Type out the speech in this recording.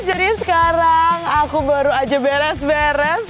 jadi sekarang aku baru aja beres beres